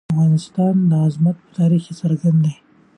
د افغانستان عظمت په تاریخ کې څرګند دی.